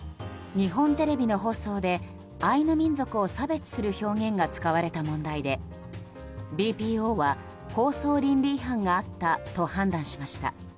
日本テレビ放送でアイヌ民族を差別する表現が使われた問題でＢＰＯは放送倫理違反があったと判断しました。